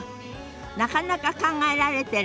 なかなか考えられてるのよ。